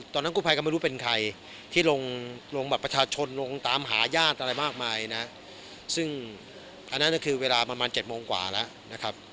ตอนนั้นกูภัยก็ไม่รู้เป็นใครที่ลงบัตรประชาชนลงตามหาย่านอะไรมากมายซึ่งอันนั้นคือเวลาประมาณ๗โมงกว่าแล้ว